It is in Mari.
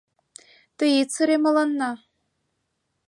Тый ит сыре мыланна!»